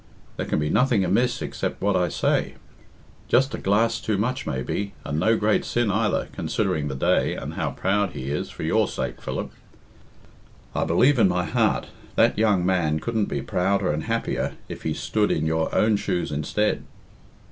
"There can be nothing amiss except what I say. Just a glass too much maybe and no great sin either, considering the day, and how proud he is, for your sake, Philip. I believe in my heart that young man couldn't be prouder and happier if he stood in your own shoes instead."